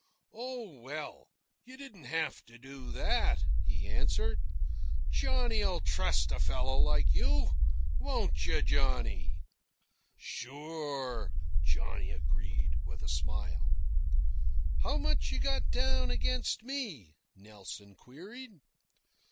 "Oh, well, you didn't have to do that," he answered. "Johnny'll trust a fellow like you won't you, Johnny!" "Sure," Johnny agreed, with a smile. "How much you got down against me?" Nelson queried.